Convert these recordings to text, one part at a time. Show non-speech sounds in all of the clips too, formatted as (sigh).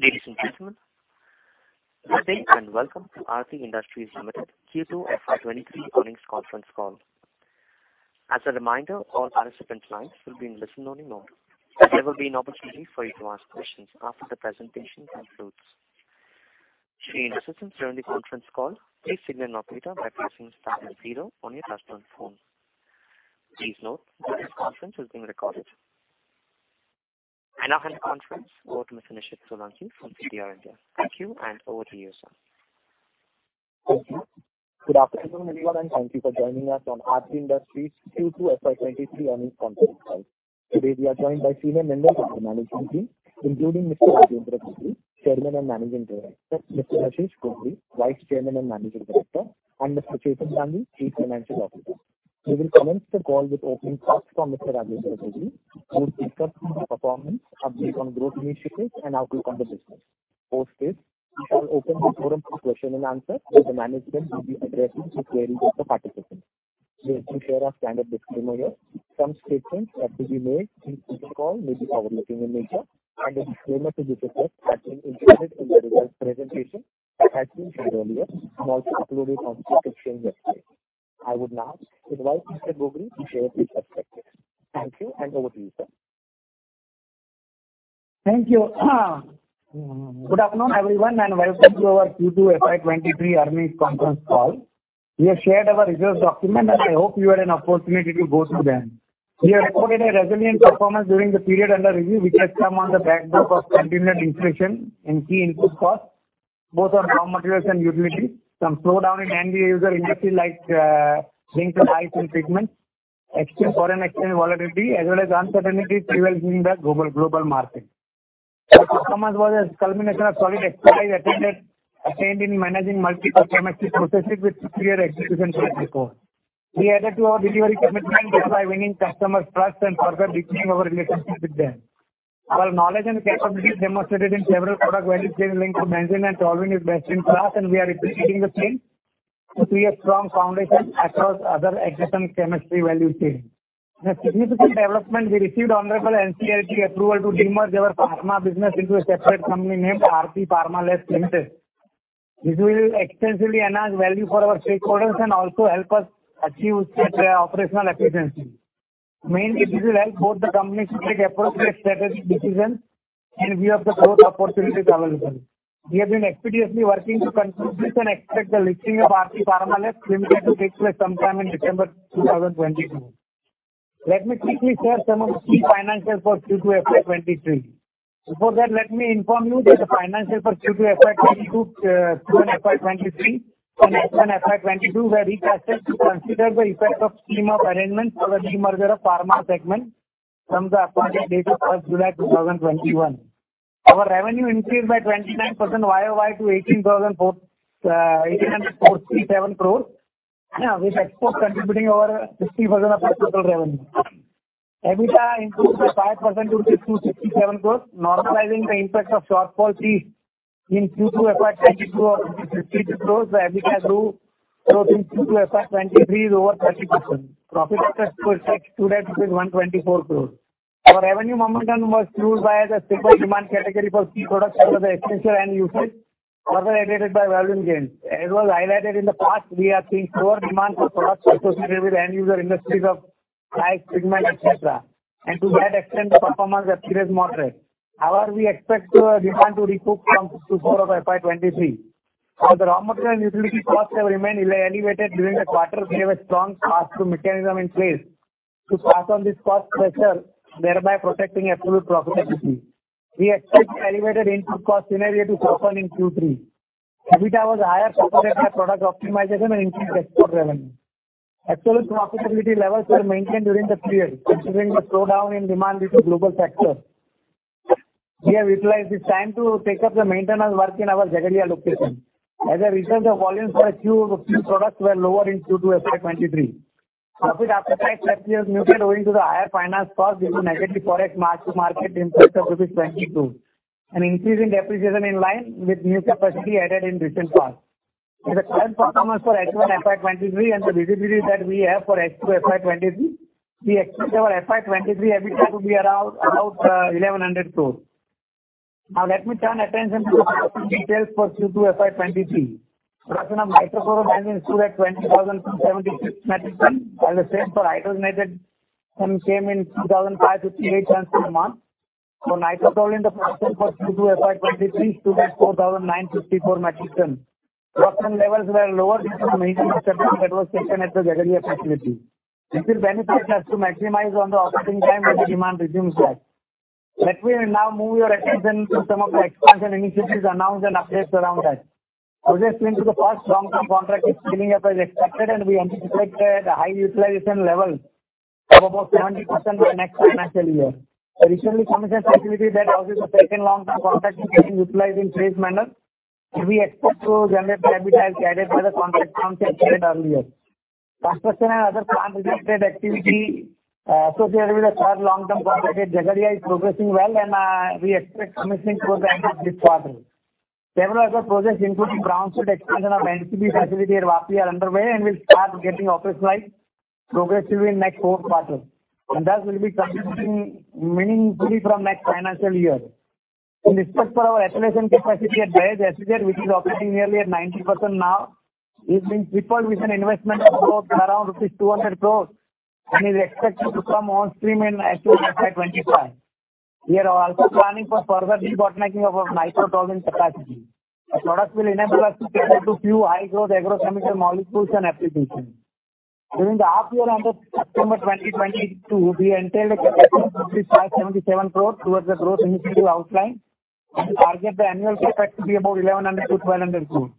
Ladies and gentlemen, good day and welcome to Aarti Industries Limited Q2 FY 2023 Earnings Conference Call. As a reminder, all participant lines will be in listen-only mode. There will be an opportunity for you to ask questions after the presentation concludes. To assist during the conference call, please signal an operator by pressing star zero on your touchtone phone. Please note today's conference is being recorded. I now hand the conference over to Mr. Nishid Solanki from CDR India. Thank you, and over to you, sir. Thank you. Good afternoon, everyone, and thank you for joining us on Aarti Industries Q2 FY 2023 earnings conference call. Today, we are joined by senior members of the management team, including Mr. Rajendra Gogri, Chairman and Managing Director, Mr. Rashesh Gogri, Vice Chairman and Managing Director, and Mr. Chetan Gandhi, Chief Financial Officer. We will commence the call with opening thoughts from Mr. Rajendra Gogri, who will discuss the performance, update on growth initiatives, and outlook on the business. Post this, we shall open the forum for question and answer, where the management will be addressing the queries of the participants. We want to share our standard disclaimer here. Some statements that will be made in this call may be forward-looking in nature and a disclaimer to this effect has been included in the results presentation that has been shared earlier and also uploaded on stock exchange website. I would now invite Mr. Gogri to share his perspectives. Thank you, and over to you, sir. Thank you. Good afternoon, everyone, and welcome to our Q2 FY 2023 earnings conference call. We have shared our results document, and I hope you had an opportunity to go through them. We have recorded a resilient performance during the period under review, which has come on the backdrop of continued inflation in key input costs, both on raw materials and utilities, some slowdown in end user industry like paints and dyes and pigments, extreme foreign exchange volatility, as well as uncertainties prevailing in the global market. Our performance was a culmination of solid expertise attained in managing multiple chemistry processes with superior execution strength before. We added to our delivery commitment by winning customers' trust and further deepening our relationships with them. Our knowledge and capabilities demonstrated in several product value chain linked to benzene and toluene is best in class, and we are replicating the same to create strong foundation across other adjacent chemistry value chains. In a significant development, we received honorable NCLT approval to demerge our pharma business into a separate company named Aarti Pharmalabs Limited. This will extensively enhance value for our stakeholders and also help us achieve certain operational efficiencies. Mainly, this will help both the companies to take appropriate strategic decisions in view of the growth opportunities available. We have been expeditiously working to conclude this and expect the listing of Aarti Pharmalabs Limited to take place sometime in December 2022. Let me quickly share some of the key financials for Q2 FY 2023. Before that, let me inform you that the financials for Q2 FY 2022 and FY 2023 and FY 2022 were restated to consider the effect of scheme of arrangements for the demerger of pharma segment from the appointed date of July 1, 2021. Our revenue increased by 29% Y-o-Y to 1,847 crores, with exports contributing over 60% of our total revenue. EBITDA improved by 5% to 67 crores. Normalizing the impact of shortfall fees in Q2 FY 2022 of 52 crores, the EBITDA growth in Q2 FY 2023 is over 30%. Profit after tax stood at 124 crores. Our revenue momentum was fueled by the stable demand category for key products that were the essential end usage, further aided by volume gains. As was highlighted in the past, we are seeing lower demand for products associated with end user industries of dyes, pigment, et cetera, and to that extent, the performance of Q2 is moderate. However, we expect demand to recoup from Q4 of FY 2023. While the raw material and utility costs have remained elevated during the quarter, we have a strong pass-through mechanism in place to pass on this cost pressure, thereby protecting absolute profitability. We expect the elevated input cost scenario to soften in Q3. EBITDA was higher supported by product optimization and increased export revenue. Absolute profitability levels were maintained during the period, considering the slowdown in demand due to global factors. We have utilized this time to take up the maintenance work in our Jhagadia location. As a result, the volumes for a few products were lower in Q2 FY 2023. Profit after tax, however, muted owing to the higher finance cost due to negative forex mark-to-market impact of INR 22, an increase in depreciation in line with new capacity added in recent past. With the current performance for H1 FY 2023 and the visibility that we have for H2 FY 2023, we expect our FY 2023 EBITDA to be around, about, 1,100 crores. Let me turn attention to the production details for Q2 FY 2023. Production of nitrophenol ended June at 20,076 metric tons, while the same for hydrogenated HM came in [2,058] tons per month. For nitrotoluene, the production for Q2 FY 2023 stood at 4,954 metric tons. Production levels were lower due to the maintenance shutdown that was taken at the Jhagadia facility. This will benefit us to maximize on the operating time when the demand resumes back. Let me now move your attention to some of the expansion initiatives announced and updates around that. Our expansion to the first long-term contract is scaling up as expected, and we anticipate a high utilization level of about (audio distortion) 70% by next financial year. A recently commissioned facility that houses the second long-term contract is being utilized in phased manner, and we expect to generate EBITDA as guided by the contract signed earlier. Construction and other plant related activity associated with the third long-term contract at Jhagadia is progressing well, and we expect commissioning towards the end of this quarter. Several other projects, including brownfield expansion of NCB facility at Vapi are underway and will start getting operationalized progressively in next four quarters, and thus will be contributing meaningfully from next financial year. In respect of our hydrogenation capacity at Jhagadia, which is operating nearly at 90% now, is being tripled with an investment of around rupees 200 crores and is expected to come on stream in FY 2025. We are also planning for further debottlenecking of our nitration capacity. This product will enable us to cater to few high-growth agrochemical molecules and applications. During the half year until September 2022, we incurred INR 577 crores towards the growth initiative outlined and we target the annual CapEx to be above INR 1,100 crores-INR 1,200 crores.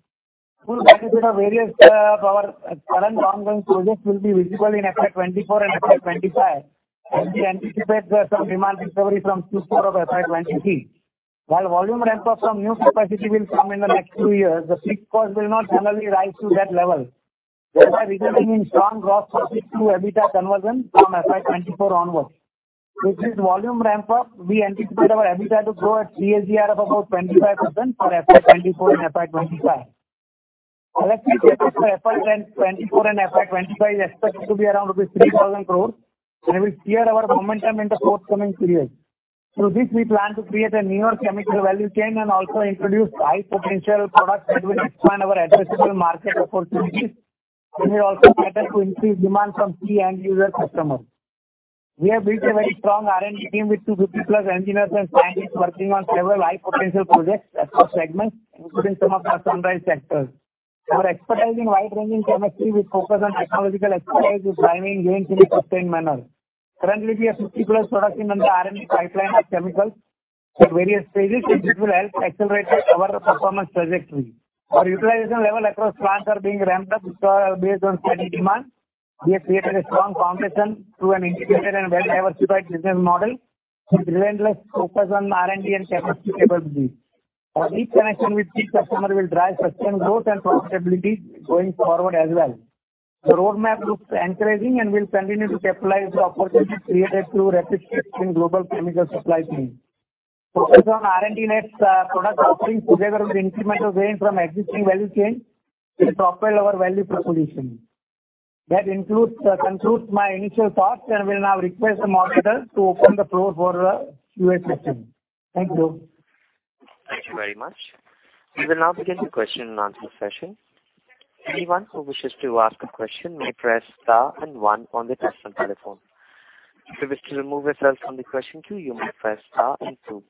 Full benefit of various, our current ongoing projects will be visible in FY 2024 and FY 2025, and we anticipate some demand recovery from Q4 of FY 2023. While volume ramp of some new capacity will come in the next two years, the CapEx cost will not generally rise to that level. We are resulting in strong gross margin to EBITDA conversion from FY 2024 onwards. With this volume ramp up, we anticipate our EBITDA to grow at CAGR of about 25% for FY 2024 and FY 2025. Our investment for FY 2024 and FY 2025 is expected to be around rupees 3,000 crores, and it will steer our momentum in the forthcoming period. Through this, we plan to create a newer chemical value chain and also introduce high potential products that will expand our addressable market opportunities, and we also cater to increased demand from key end user customers. We have built a very strong R&D team with 250+ engineers and scientists working on several high potential projects across segments, including some of the sunrise sectors. Our expertise in wide-ranging chemistry with focus on technological expertise is driving gains in a sustained manner. Currently, we have 50+ products in the R&D pipeline at chemicals at various stages, which will help accelerate our performance trajectory. Our utilization level across plants are being ramped up based on steady demand. We have created a strong foundation through an integrated and well-diversified business model with relentless focus on R&D and capacity capabilities. Our deep connection with key customers will drive sustained growth and profitability going forward as well. The roadmap looks encouraging and we'll continue to capitalize the opportunities created through rapid shifts in global chemical supply chain. Focus on R&D and its products offering together with the incremental gain from existing value chain will propel our value proposition. That concludes my initial thoughts, and I will now request the moderator to open the floor for Q&A session. Thank you. Thank you very much. We will now begin the question and answer session. Anyone who wishes to ask a question may press star and one on the personal telephone. If you wish to remove yourself from the question queue, you may press star and two.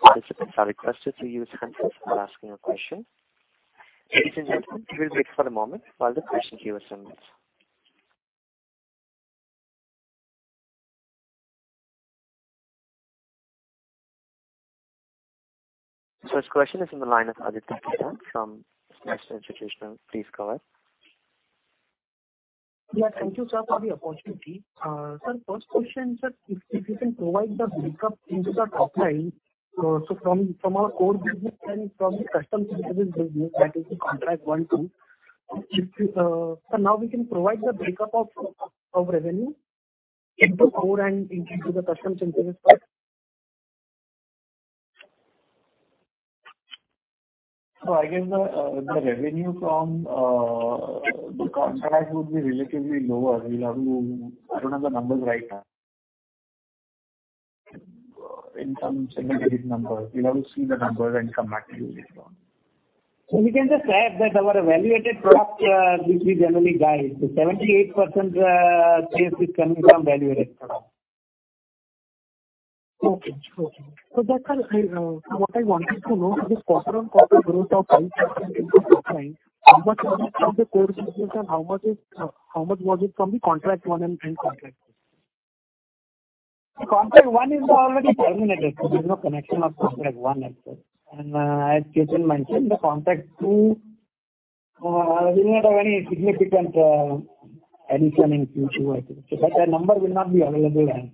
Participants are requested to use hands-free while asking a question. Ladies and gentlemen, we will wait for a moment while the question queue assembles. First question is on the line of Aditya Khetan from Axis Institutional. Please go ahead. Yeah, thank you, sir, for the opportunity. Sir, first question, sir. If you can provide the breakup into the top line, so from our core business and from the custom synthesis business, that is the contract one, two. Now we can provide the breakup of revenue into core and into the custom synthesis part. I guess the revenue from the contract would be relatively lower. We'll have to. I don't have the numbers right now. In terms of the numbers, we'll have to see the numbers and come back to you with this one. We can just say that our value-added product, which we generally guide, 78% sales is coming from value-added product. Okay. That's all I. What I wanted to know is this quarter-on-quarter growth of 25% in the top line, how much coming from the core business and how much was it from the contract one and contract two? The contract one is already terminated, so there's no connection of contract one itself. As Chetan mentioned, the contract two will not have any significant addition in future, I think. That number will not be available right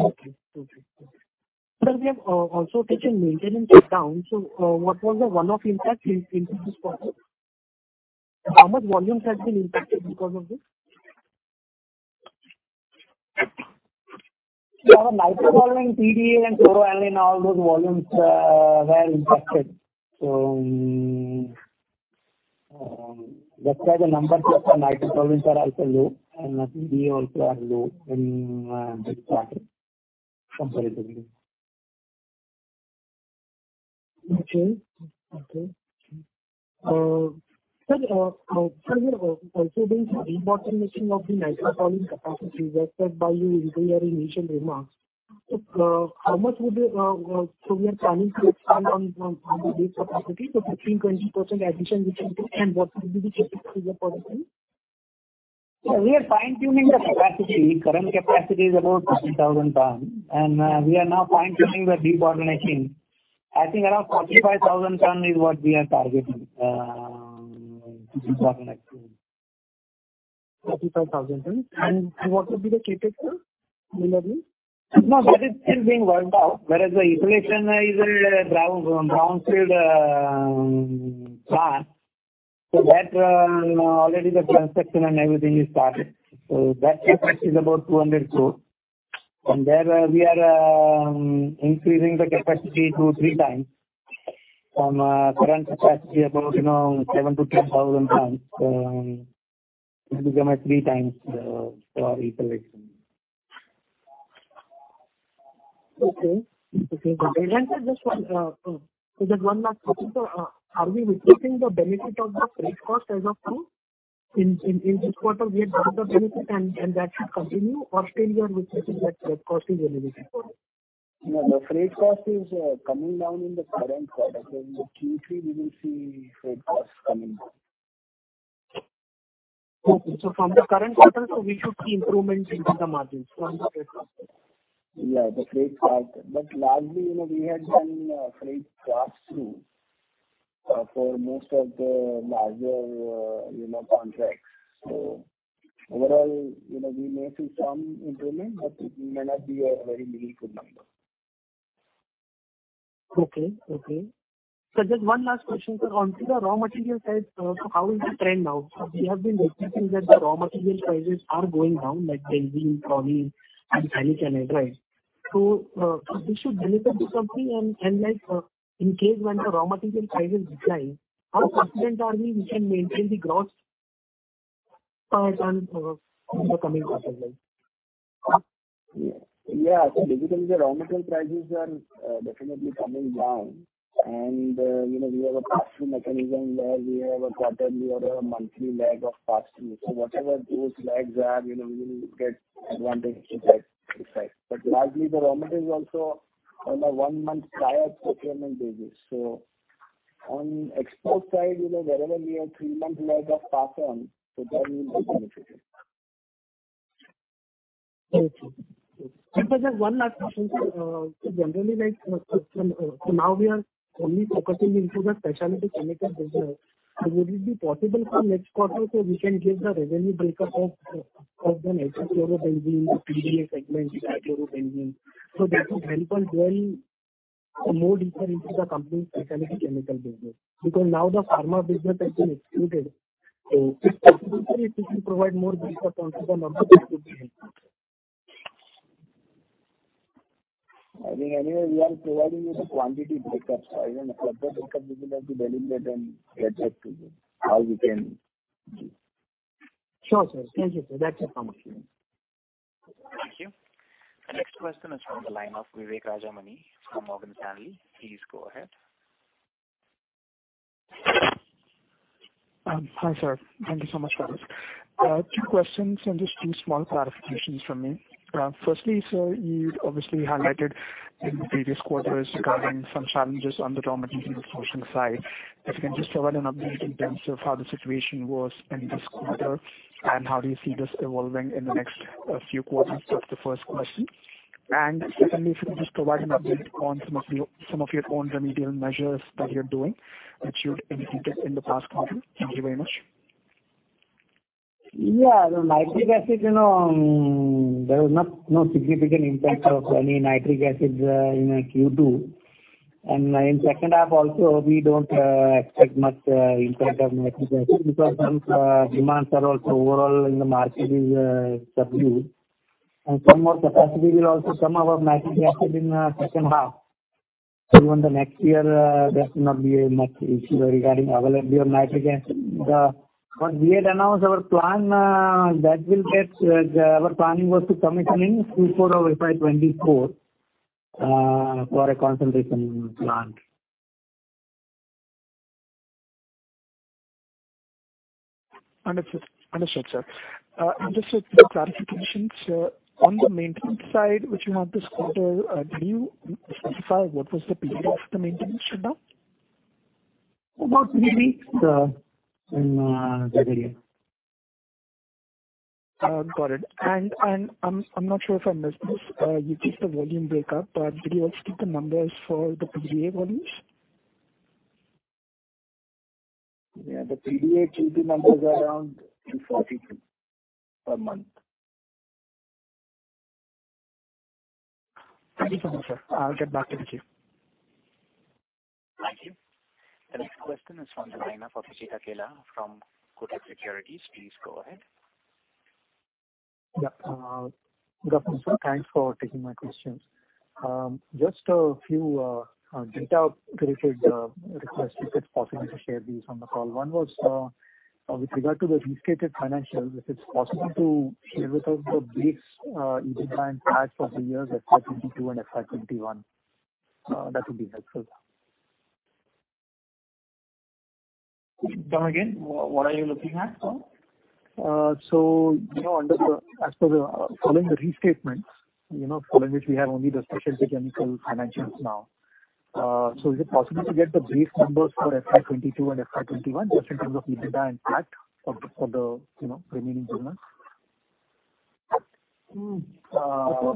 now. Okay. Sir, we have also taken maintenance shutdown. What was the one-off impact into this quarter? How much volumes has been impacted because of this? Our nitration, phenylenediamine, and chloroaniline, all those volumes, were impacted. That's why the numbers of our nitration are also low and phenylenediamine also are low in this quarter comparatively. Sir, you have also mentioned the debottlenecking of the nitration volume capacity referred to by you in your initial remarks. We are planning to expand on the base capacity. 15%-20% addition we can do and what would be the CapEx for the project? We are fine-tuning the capacity. Current capacity is about 50,000 tons, and we are now fine-tuning the debottlenecking. I think around 45,000 tons is what we are targeting to debottleneck. 45,000 tons. What would be the CapEx, sir, similarly? No, that is still being worked out. Whereas the expansion is a brownfield plant. That already the construction and everything is started. That capacity is about 200 crore. There we are increasing the capacity to 3x from current capacity about, you know, 7,000-10,000 tons. It will become a 3x for ethylation. Okay. Sir, just one last question, sir. Are we witnessing the benefit of the freight cost as of now? In this quarter we have got the benefit and that should continue or still we are witnessing that freight cost is elevated? No, the freight cost is coming down in the current quarter. In the Q3 we will see freight costs coming down. Okay. From the current quarter so we should see improvements in the margins from the freight cost, right? Yeah, the freight cost. Largely, you know, we had done freight pass through for most of the larger, you know, contracts. Overall, you know, we may see some improvement, but it may not be a very meaningful number. Okay. Just one last question, sir. On to the raw material side, so how is the trend now? We have been witnessing that the raw material prices are going down, like benzene, toluene and phthalic anhydride. This should benefit the company and like, in case when the raw material prices decline, how confident are we we can maintain the gross margin, in the coming quarter like? Yeah. Basically the raw material prices are definitely coming down. You know, we have a pass through mechanism where we have a quarterly or a monthly lag of pass through. Whatever those lags are, you know, we will get advantage to that effect. Largely the raw material is also on a one-month prior procurement basis. On export side, you know, wherever we have three-month lag of pass on, that will be beneficial. Okay. Sir, just one last question, sir. So generally like, so now we are only focusing into the specialty chemical business. So would it be possible for next quarter so we can give the revenue break up of the nitrochlorobenzene, the Phenylenediamine segment, trichlorobenzene. So that will help us go in more deeper into the company's specialty chemical business. Because now the pharma business has been excluded, so if possible sir, if you can provide more break up onto the numbers, it would be helpful. I think anyway we are providing you the quantity breakups. Even for the breakup we will have to delegate and get that to you. We can give. Sure, sir. Thank you, sir. That's it from us. Thank you. The next question is from the line of Vivek Rajamani from Morgan Stanley. Please go ahead. Hi, sir. Thank you so much for this. Two questions and just two small clarifications from me. Firstly, sir, you'd obviously highlighted in previous quarters regarding some challenges on the raw material sourcing side. If you can just provide an update in terms of how the situation was in this quarter, and how do you see this evolving in the next few quarters? That's the first question. Secondly, if you could just provide an update on some of your, some of your own remedial measures that you're doing, that you'd indicated in the past quarter. Thank you very much. The nitric acid, you know, there was no significant impact of any nitric acid in our Q2. In second half also, we don't expect much impact of nitric acid because overall demand in the market is subdued. Some more capacity will also come online for our nitric acid in second half. Even the next year, there should not be much issue regarding availability of nitric acid. What we had announced, our plan that will get commissioned in Q4 of FY 2024 for a concentration plant. Understood, sir. Just a few clarifications, sir. On the maintenance side which you had this quarter, can you specify what was the period of the maintenance shutdown? About three weeks in February. Got it. I'm not sure if I missed this. You gave the volume break up, but did you also give the numbers for the Phenylenediamine volumes? Yeah. The Phenylenediamine Q3 numbers are around 240 per month. Thank you so much, sir. I'll get back to the queue. Thank you. The next question is from the line of Abhijit Akella from Kotak Securities. Please go ahead. Yeah. Good afternoon, sir. Thanks for taking my questions. Just a few detail related requests, if it's possible to share these on the call. One was with regard to the restated financials, if it's possible to share with us the base EBITDA and PAT for the years FY 2022 and FY 2021. That would be helpful. Say again. What are you looking at, sir? Following the restatements, you know, following which we have only the specialty chemical financials now. Is it possible to get the base numbers for FY 2022 and FY 2021 just in terms of EBITDA and PAT for the you know, remaining two months? For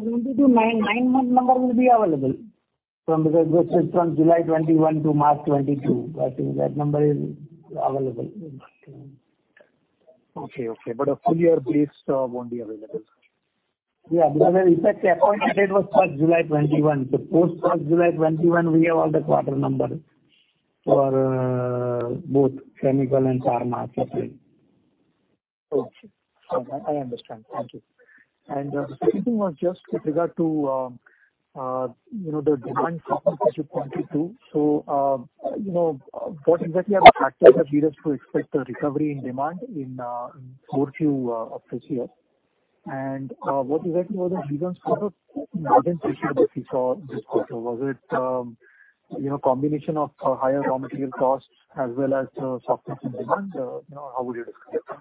FY 2022 nine-month number will be available. This is from July 2021 to March 2022. That is, that number is available with us. Okay, okay. A full year based won't be available. Yeah. Because in fact the appointment date was July 1, 2021. Post July 1, 2021 we have all the quarter numbers for both chemical and pharma separately. Okay. I understand. Thank you. The second thing was just with regard to you know, the demand signals which you pointed to. You know, what exactly are the factors that lead us to expect a recovery in demand in next few of this year? What exactly were the reasons for the margin pressure that we saw this quarter? Was it you know, combination of higher raw material costs as well as softness in demand? You know, how would you describe that?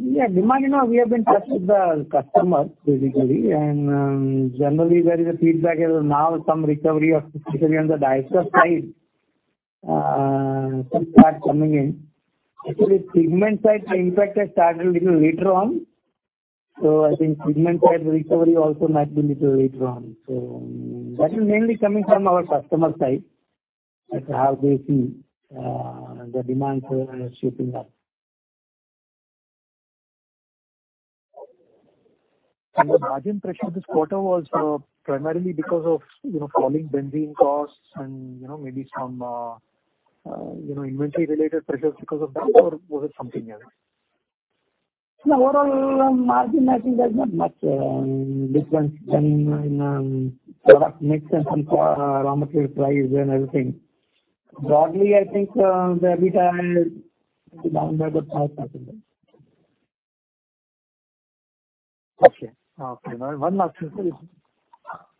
Yeah. Demand, you know, we have been in touch with the customer basically. Generally there is a feedback now some recovery of especially on the dyestuff side start coming in. Actually pigment side the impact has started little later on, so I think pigment side recovery also might be little later on. That is mainly coming from our customer side, like how they see the demand shaping up. The margin pressure this quarter was primarily because of, you know, falling benzene costs and, you know, maybe some, you know, inventory related pressures because of that, or was it something else? No. Overall margin, I think there's not much difference in product mix and some raw material price and everything. Broadly, I think the EBITDA is down by about 5%. Okay. One last thing. Sorry--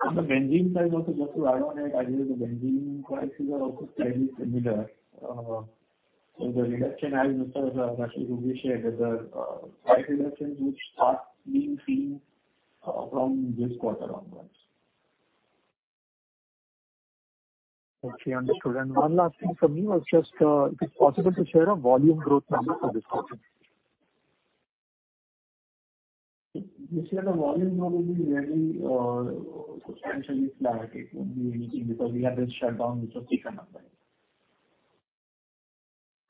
On the benzene side also, just to add on it, I think the benzene prices are also fairly similar. The reduction as Mr. Rashesh Gogri said is a price reduction which starts being seen from this quarter onwards. Okay. Understood. One last thing from me was just, if it's possible to share a volume growth number for this quarter? This year the volume will be really, substantially flat. It won't be anything because we had this shutdown which was taken up by it.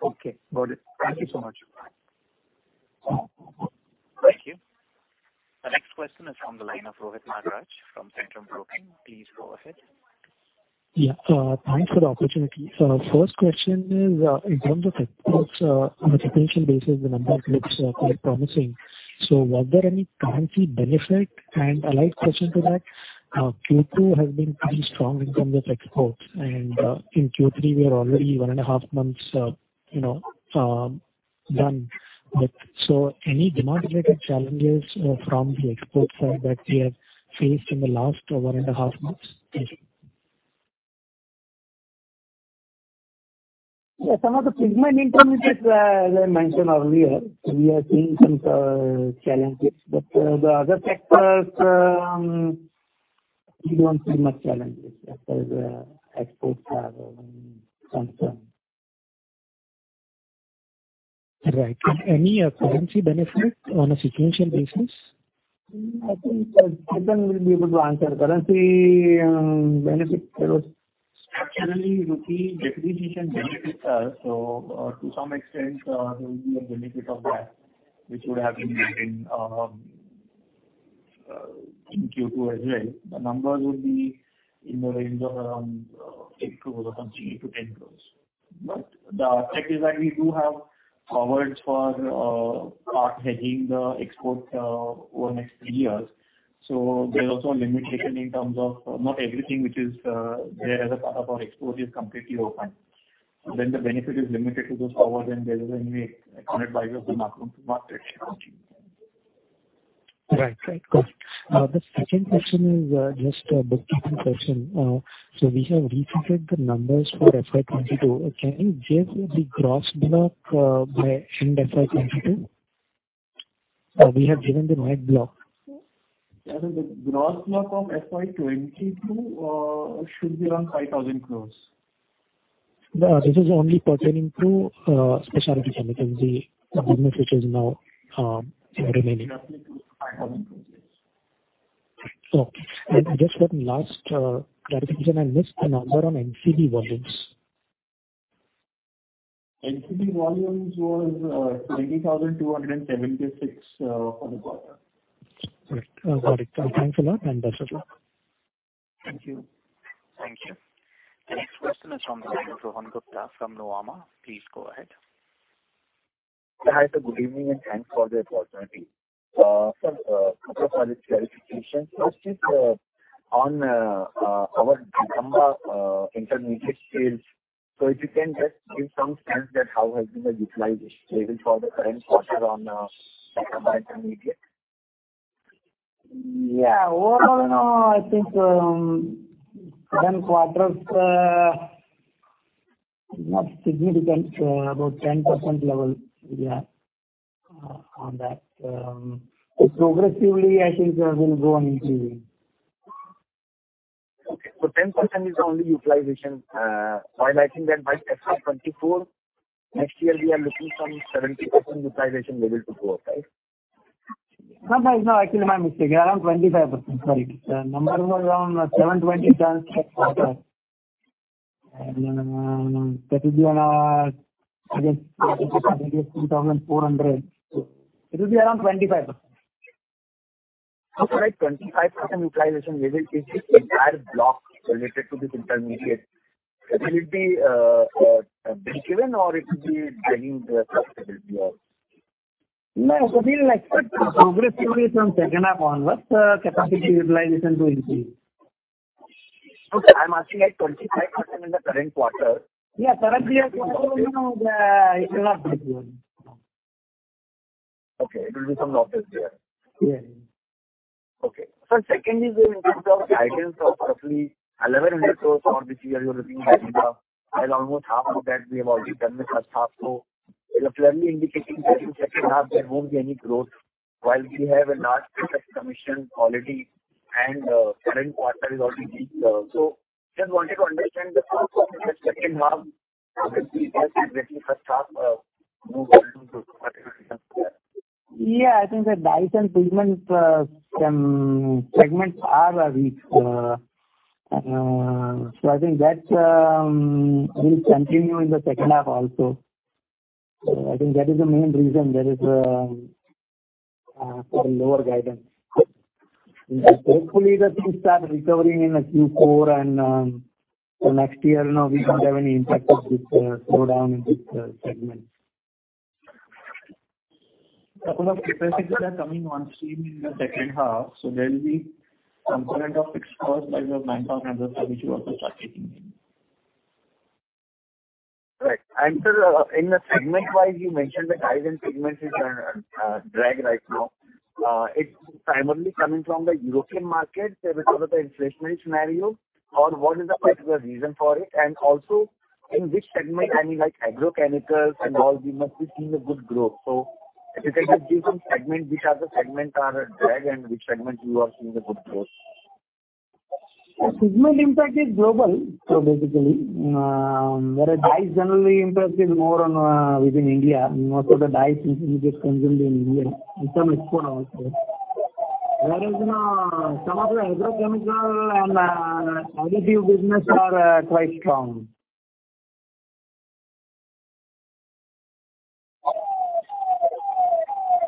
Okay. Got it. Thank you so much. Thank you. The next question is from the line of Rohit Nagraj from Centrum Broking. Please go ahead. Yeah. Thanks for the opportunity. First question is, in terms of exports, on a sequential basis the number looks quite promising. Was there any currency benefit? A light question to that, Q2 has been pretty strong in terms of exports and, in Q3 we are already 1.5 months, you know, done with. Any demand related challenges, from the export side that we have faced in the last, 1.5 months? Thank you. Yeah. Some of the pigment intermediates, as I mentioned earlier, we are seeing some challenges. The other sectors, we don't see much challenges as far as exports are concerned. Right. Any currency benefit on a sequential basis? I think Chetan will be able to answer. Currency-- Structurally rupee depreciation benefits us. To some extent, there will be a benefit of that which would have been making in Q2 as well. The numbers would be in the range of around 8 crore or something, 8 crore-10 crore. The fact is that we do have covers for partial hedging the exports over next three years. There's also a limitation in terms of not everything which is there as a part of our export is completely open. The benefit is limited to those covers and there is already accounted for by way of the mark-to-market change. Right. Got it. The second question is just a bookkeeping question. We have refigured the numbers for FY 2022. Can you give the gross block by end FY 2022? We have given the net block. Yeah. The gross block of FY 2022 should be around 5,000 crore. This is only pertaining to specialty chemicals, the business which is now remaining. It's roughly 25,000 crore, yes. Okay. Just one last clarification. I missed the number on NCB volumes. NCB volumes was 20,276 for the quarter. Right. Got it. Thanks a lot, and best of luck. Thank you. Thank you. The next question is from the line of Rohan Gupta from Nuvama. Please go ahead. Hi. Good evening, and thanks for the opportunity. Sir, couple of small clarifications. First is, on our Dicamba intermediate sales. If you can just give some sense that how has been the utilization for the current quarter on Dicamba intermediate? Yeah. Overall, you know, I think seven quarters not significant about 10% level we are on that. Progressively I think will go on increasing. 10% is only utilization. While I think that by FY 2024 next year we are looking some 70% utilization level to go, right? No, no, it's actually my mistake. Around 25%. Sorry. The number was around 720. That will be around, I guess 2,400. It will be around 25%. Okay. 25% utilization. Is this entire block related to this intermediate? That will be being given or it will be dragging the rest of the block. No. We'll expect progress slowly from second half onwards, capacity utilization to increase. Okay. I'm asking at 25% in the current quarter. Yeah. Current year quarter, you know, it will not be good. Okay. There'll be some losses there. Yeah, yeah. Secondly, in terms of guidance for firstly, INR 1,100 crores for this year you're looking at EBITDA, and almost half of that we have already done in the first half. It is clearly indicating that in second half there won't be any growth while we have a large fixed commission already and current quarter is already weak. Just wanted to understand the thoughts on this second half, how can we get relatively first half, more volume to participate in this. Yeah, I think the dyes and pigments segments are weak. I think that will continue in the second half also. I think that is the main reason there is lower guidance. Hopefully the things start recovering in the Q4 and next year now we don't have any impact of this slowdown in this segment. Couple of capacities that are coming on stream in the second half. There will be some point of fixed cost like the Bangkok numbers that which you also participating in. Right. Sir, in the segment-wise, you mentioned the dyes and pigments is drag right now. It's primarily coming from the European market because of the inflation scenario, or what is the particular reason for it? Also in which segment, I mean, like agrochemicals and all, you must be seeing a good growth. If you can just give some segment, which are the segment are a drag and which segment you are seeing a good growth. The pigment impact is global. Basically, whereas dyes generally impact is more on within India, most of the dyes is just consumed in India. It's an export also. Whereas now some of the agrochemical and additive business are quite strong.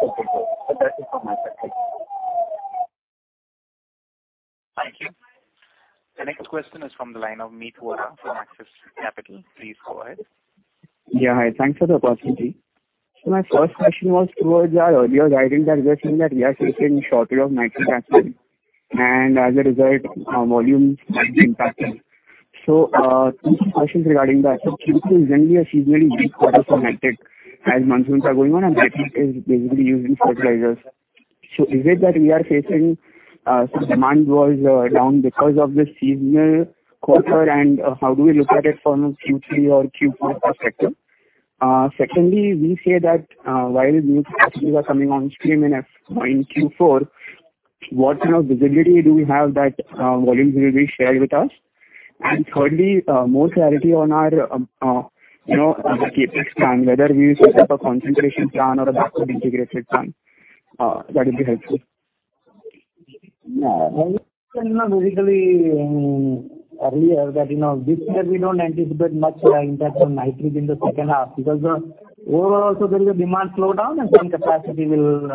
Okay, cool. That is all my questions. Thank you. The next question is from the line of Meet Vora from Axis Capital. Please go ahead. Yeah, hi. Thanks for the opportunity. My first question was toward our earlier guidance that we are seeing that we are facing shortage of nitric acid and as a result our volumes might be impacted. Few questions regarding that. Q2 is generally a seasonally weak quarter for nitric as monsoons are going on and nitric is basically used in fertilizers. Is it that we are facing some demand was down because of the seasonal quarter and how do we look at it from a Q3 or Q4 perspective? Secondly, we say that while new capacities are coming on stream in Q4, what kind of visibility do we have that volumes will be shared with us? Thirdly, more clarity on our, you know, other CapEx plan, whether we set up a concentration plan or a backward integrated plan, that would be helpful. Yeah. I think, you know, basically, earlier this year we don't anticipate much impact from nitric in the second half because overall also there is a demand slowdown and some capacity will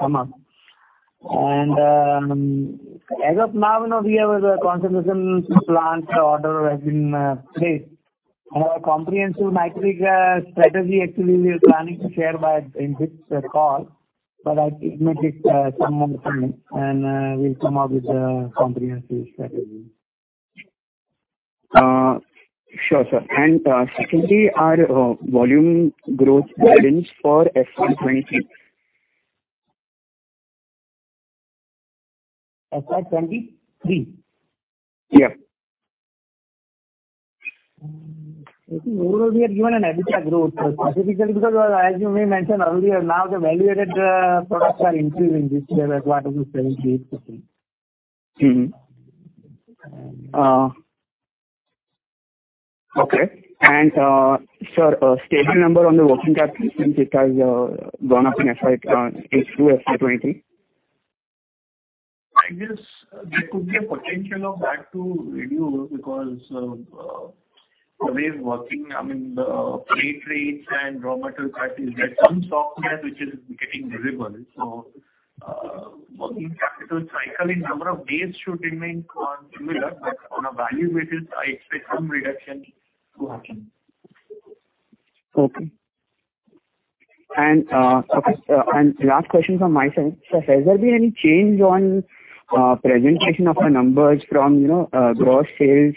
come up. As of now, you know, we have a concentration plant order has been placed. Our comprehensive nitric strategy actually we are planning to share in this call, but it may take some more time and we'll come up with a comprehensive strategy. Sure, sir. Secondly, our volume growth guidance for FY 2023. FY 2023? Yeah. I think overall we have given an EBITDA growth specifically because as you may mentioned earlier, now the value-added products are increasing which they were part of the (audio distortion) Okay. Sir, stable number on the working capital since it has gone up in FY 2020-- through FY 2020. I guess there could be a potential of that to reduce because, the way it's working, I mean, the freight rates and raw material prices, there's some stock here which is getting visible. Working capital cycle in number of days should remain on similar, but on a value basis, I expect some reduction to happen. Okay. Last question from my side. Sir, has there been any change on presentation of the numbers from, you know, gross sales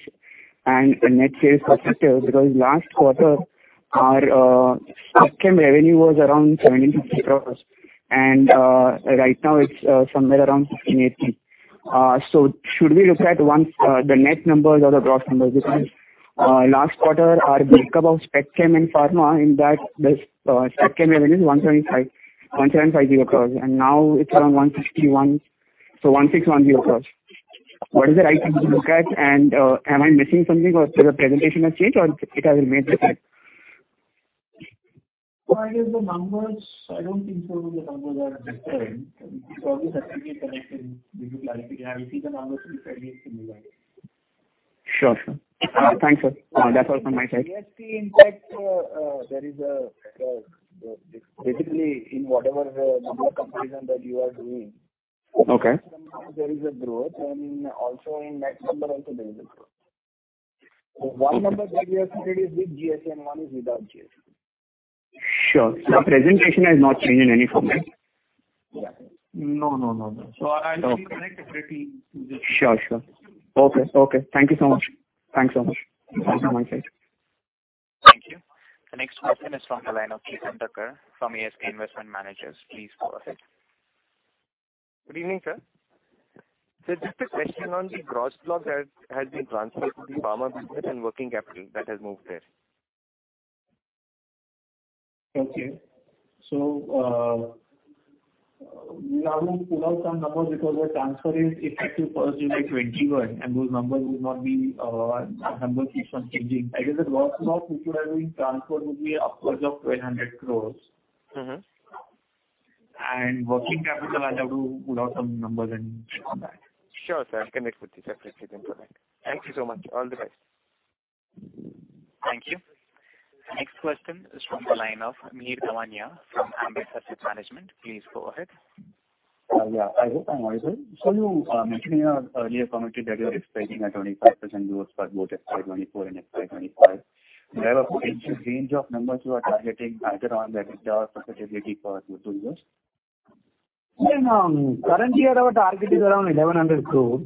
and net sales perspective? Because last quarter our Specialty Chemicals revenue was around 1,750 crores and right now it's somewhere around 1,580 crores. So should we look at the net numbers or the gross numbers? Because last quarter our breakup of Specialty Chemicals and pharma in that the Specialty Chemicals revenue is 175 crores, and now it's around 161 crores. So 161 crores. What is the right thing to look at? And am I missing something or the presentation has changed or it has remained the same? I guess the numbers. I don't think so, the numbers are different. It probably has to be connected. We will clarify. Yeah, we'll see the numbers and try to get similar. Sure. Thanks, sir. That's all from my side. ESP, in fact, there is basically in whatever number comparison that you are doing. Okay. Sometimes there is a growth and also in next number also there is a growth. One number that we have introduced with GST, one is without GST. Sure. The presentation has not changed in any format? Yeah. No, no, no. Okay. I'll connect separately with you. Sure. Okay. Thank you so much. Thanks so much. That's all from my side. Thank you. The next question is from the line of Ketan Thakur from ASK Investment Managers. Please go ahead. Good evening, sir. Sir, just a question on the gross blocks that has been transferred to the pharma business and working capital that has moved there. We are going to pull out some numbers because the transfer is effective July 1, 2021, and those numbers will not be. Our numbers keep on changing. I guess the gross blocks which were being transferred would be upwards of 1,200 crore. Working capital, I'll have to pull out some numbers and check on that. Sure, sir. I'll connect with you separately then for that. Thank you so much. All the best. Thank you. Next question is from the line of Mihir Damania from Ambit Asset Management. Please go ahead. I hope I'm audible. You mentioned in your earlier commentary that you are expecting a 25% growth for both FY 2024 and FY 2025. Do you have a range of numbers you are targeting either on the EBITDA or profitability for those two years? Currently, our target is around 1,100 crore.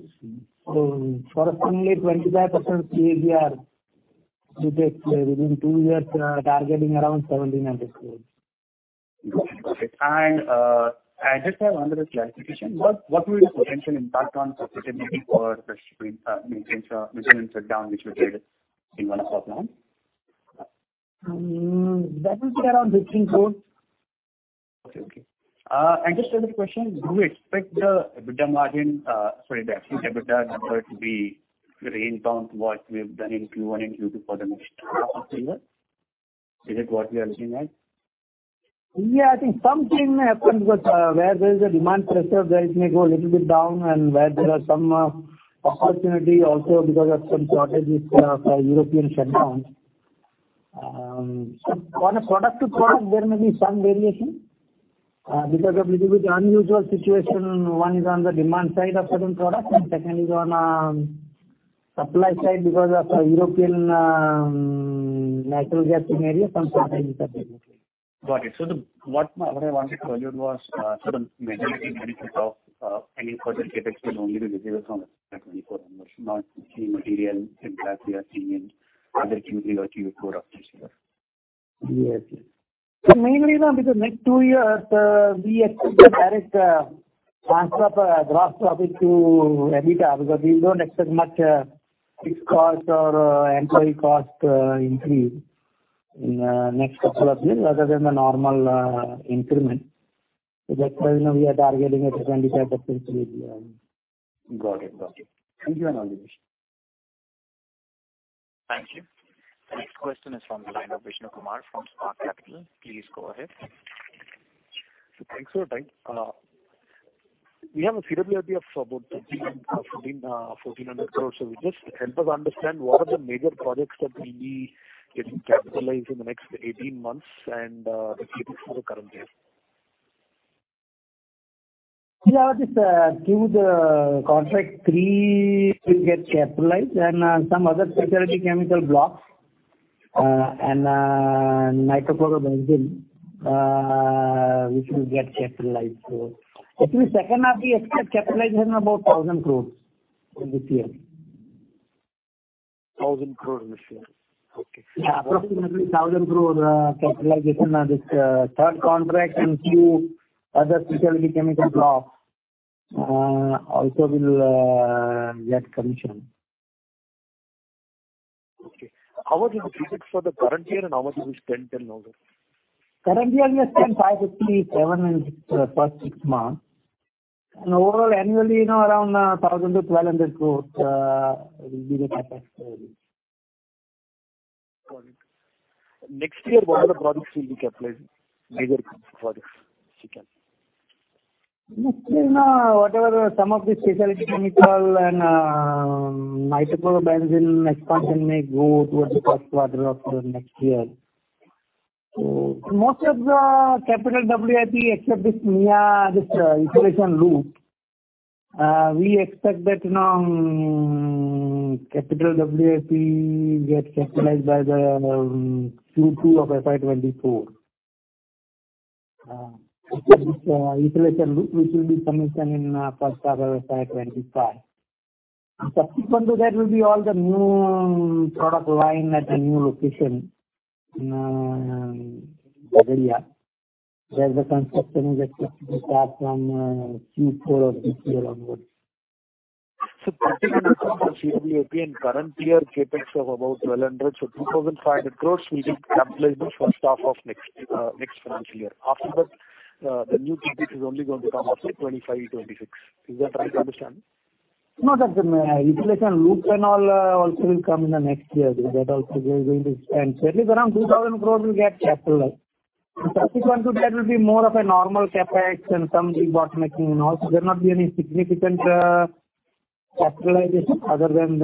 For a 25% CAGR, within two years, targeting around 1,700 crore. Okay. I just have another clarification. What will the potential impact on profitability for the maintenance shutdown which you did in one of your plants? That will be around 15 crore. Okay. I just have a question. Do you expect the EBITDA margin, the EBITDA number to be very in line with what we have done in Q1 and Q2 for the next half a year? Is it what we are looking at? Yeah, I think something happens because where there is a demand pressure, there it may go a little bit down and where there are some opportunity also because of some shortages of European shutdowns. On a product to product, there may be some variation because of little bit unusual situation, one is on the demand side of certain products and secondly is on supply side because of European natural gas scenario, some shortages are there. Got it. What I wanted to value was sort of majority benefit of any further CapEx will only be visible from the FY 2024 onwards, not the material impact we are seeing in either Q3 or Q4 of this year. Yes. The main reason because next two years, we expect a direct transfer of gross profit to EBITDA because we don't expect much fixed cost or employee cost increase in next couple of years other than the normal increment. That's why, you know, we are targeting a 25% CAGR. Got it. Thank you and all the best. Thank you. The next question is from the line of Vishnu Kumar from Spark Capital. Please go ahead. Thanks for the time. We have a CWIP of about 1,400 crores. Just help us understand what are the major projects that will be getting capitalized in the next 18 months and the CapEx for the current year. Just through the contract three will get capitalized and some other specialty chemical blocks and nitrochlorobenzene, which will get capitalized. In the second half we expect capitalization about 1,000 crores for this year. 1,000 crores in this year. Okay. Approximately 1,000 crore CapEx on this third contract and few other specialty chemical blocks also will get commissioned. Okay. How was it fixed for the current year and how much you will spend in total? Current year we have spent INR 557 crore in first six months. Overall annually, you know, around 1,000 crore-1,200 crore will be the CapEx for this. Got it. Next year, what are the projects will be capitalized? Major projects, if you can. Next year, now, whatever some of the specialty chemical and nitrochlorobenzene expansion may go towards the first quarter of the next year. Most of the capital WIP except this NCB nitration loop we expect that capital WIP get capitalized by the Q2 of FY 2024. Except this nitration loop which will be commissioned in first quarter of FY 2025. Subsequent to that will be all the new product line at a new location, Vadodara, where the construction is expected to start from Q4 of this year onwards. INR 1,300 crores for CWIP and current year CapEx of about 1,200 crores, so INR 2,500 crores will be capitalized in first half of next financial year. After that, the new CapEx is only going to come after 2025, 2026. Is that right to understand? No, that's a utilization loop and all also will come in the next year. That also they're going to spend. Certainly around 2,000 crore will get capitalized. In 2021, 2022 that will be more of a normal CapEx and some debottlenecking and all. There'll not be any significant capitalization other than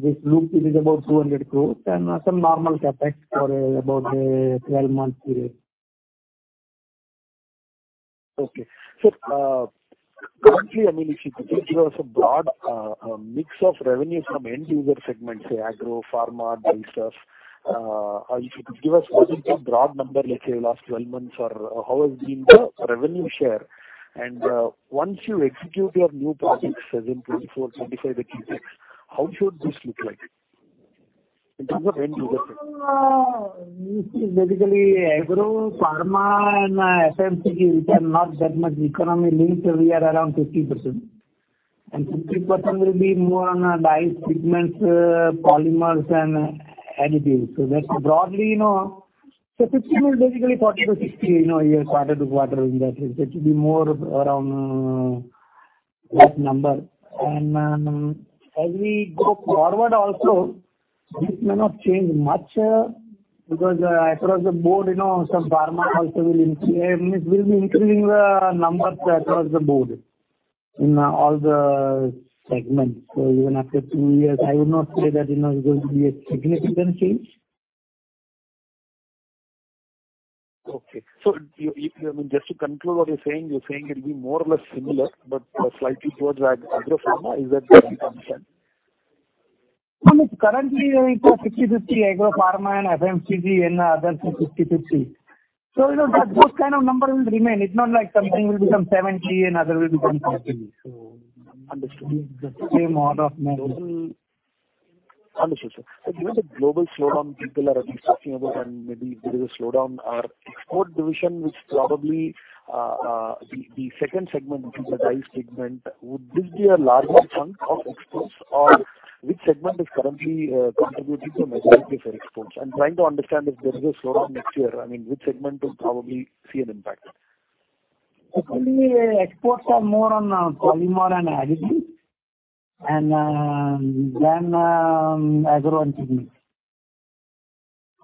this loop which is about 200 crore and some normal CapEx for about 12 months period. Currently, I mean, if you could give us a broad mix of revenues from end user segments, say agro, pharma, dyestuffs. If you could give us maybe a broad number, like, say, last 12 months or how has been the revenue share. Once you execute your new projects, say, in 2024, 2025, et cetera, how should this look like in terms of end user segment? This is basically agro, pharma and FMCG which are not that much economy linked. We are around 50%. 50% will be more on dyes, pigments, polymers and additives. That's broadly, you know. 50% will basically 40%-60%, you know, year quarter to quarter in that range. That should be more around that number. As we go forward also, this may not change much, because across the board, you know, some pharma also will increase. I mean, we'll be increasing the numbers across the board in all the segments. Even after two years, I would not say that, you know, it will be a significant change. Okay. I mean, just to conclude what you're saying, you're saying it'll be more or less similar, but, slightly towards agro, pharma. Is that the assumption? No, currently it's 50/50 agro, pharma and FMCG and others is 50/50. You know, that kind of number will remain. It's not like something will become 70 and other will become 30. Understood. The same order of magnitude. Understood, sir. Given the global slowdown people are at least talking about and maybe there is a slowdown, our export division, which probably the second segment, which is the dyes segment, would this be a larger chunk of exports? Or which segment is currently contributing to majority of our exports? I'm trying to understand if there is a slowdown next year, I mean, which segment will probably see an impact. Currently, exports are more on polymer and additives and then agro and pigments.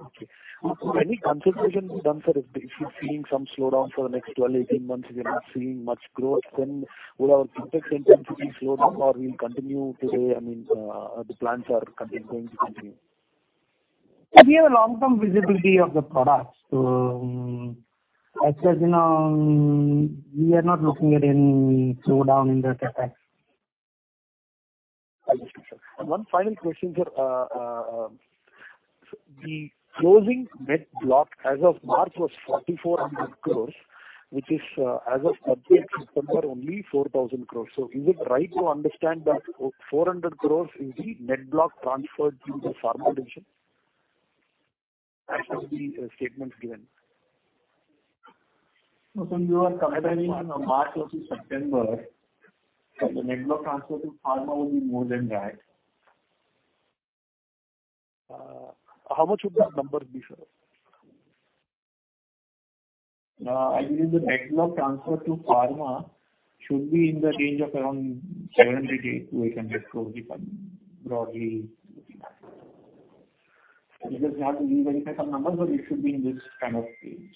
Okay. Any considerations done, sir, if you're seeing some slowdown for the next 12, 18 months, if you're not seeing much growth, then will our CapEx intensity slow down or we'll continue to, I mean, the plans are going to continue? We have a long-term visibility of the products. As such, you know, we are not looking at any slowdown in the CapEx. Understood, sir. One final question, sir. The closing net block as of March was 4,400 crores, which is, as of September only 4,000 crores. Is it right to understand that 400 crores is the net block transferred to the pharma division as per the statements given? No, since you are comparing March versus September, so the net block transfer to pharma will be more than that. How much would that number be, sir? I believe the net block transfer to pharma should be in the range of around 700 crores-800 crores, if I'm broadly looking at it. Because we have to re-verify some numbers, but it should be in this kind of range.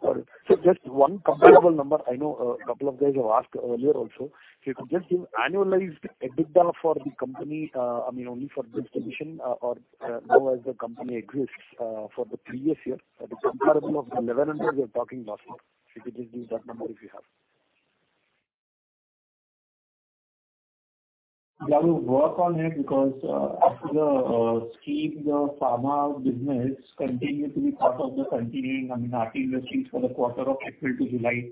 Got it. Just one comparable number. I know a couple of guys have asked earlier also. If you could just give annualized EBITDA for the company, I mean, only for this division, or how has the company exists for the previous year at a comparable of the [level into] we are talking about now. If you could just give that number, if you have. We have to work on it because after the scheme, the pharma business continued to be part of the continuing, I mean, RTE listings for the quarter of April to July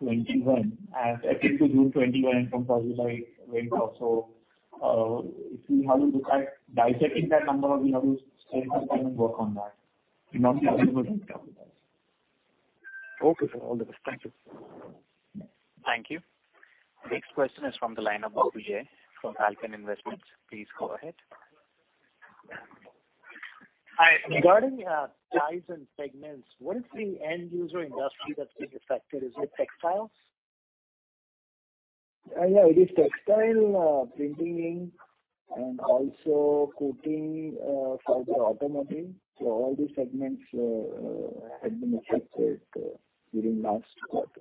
2021. April to June 2021 from positive went off. If we have to look at dissecting that number, we have to spend some time and work on that. We're not available right now with that. Okay, sir. All the best. Thank you. Thank you. The next question is from the line of Abhijit from Falcon Investments. Please go ahead. Hi. Regarding dyes and pigments, what is the end user industry that's been affected? Is it textiles? It is textile, printing ink and also coating for the automotive. All these segments had been affected during last quarter.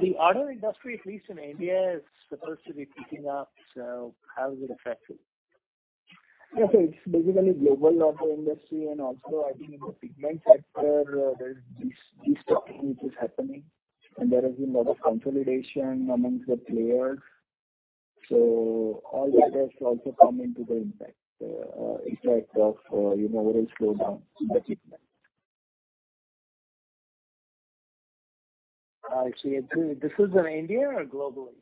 The auto industry, at least in India, is supposed to be picking up. How has it affected? It's basically global auto industry and also I think in the pigment sector, there's destocking which is happening and there has been lot of consolidation amongst the players. All that has also come into the impact of, you know, overall slowdown in the pigment. I see. This is in India or globally?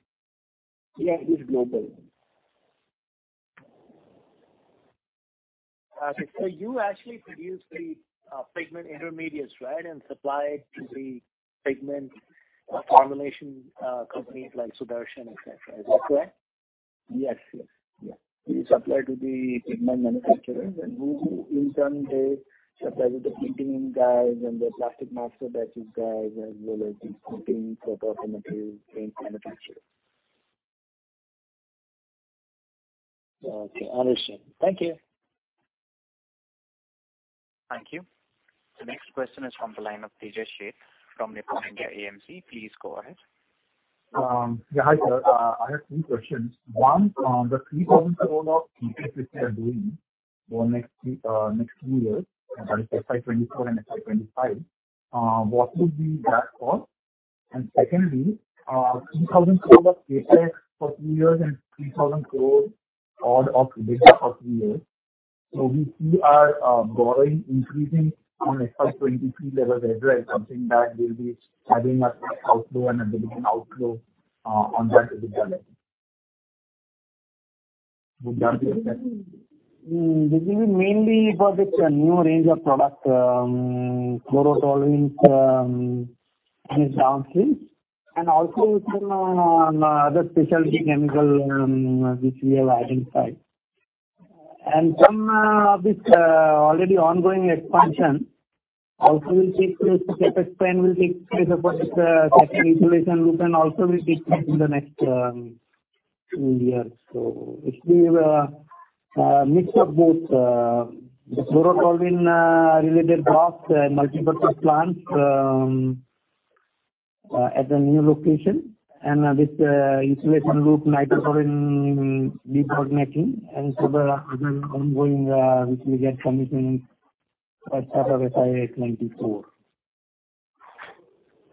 Yeah, it is globally. Okay. You actually produce the pigment intermediates, right? And supply it to the pigment formulation companies like Sudarshan, et cetera. Is that correct? Yes, yes. We supply to the pigment manufacturers and they in turn supply to the painting guys and the plastic master batches guys as well as the coating polymer material paint manufacturers. Okay, understood. Thank you. Thank you. The next question is from the line of Tejas Sheth from Nippon India AMC. Please go ahead. Yeah. Hi, sir. I have two questions. One, the 3,000 crore of CapEx which you are doing for next three years, that is FY 2024 and FY 2025, what would be that cost? Secondly, 3,000 crore of CapEx for three years and 3,000 crore odd of debt for three years. We see our borrowing increasing on FY 2023 levels as well as something that will be having a cash outflow and a dividend outflow, on that level. Would that be okay? This will be mainly for the new range of product, chlorotoluene, and its downstream, and also some other specialty chemical, which we have identified. Some of this already ongoing expansion also will take place. The CapEx plan will take place across the second nitration loop and also will take place in the next two years. It'll be a mix of both the chlorotoluene related products and multipurpose plants at the new location. This nitration loop depolymerization. The ongoing, which will get commissioning by start of FY 2024.